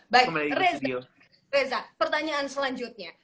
baik reza pertanyaan selanjutnya